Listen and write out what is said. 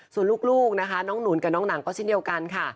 ส่วนลูกนะคะน้องหนุนกับน้องหนังก็เช่นเดียวกันค่ะ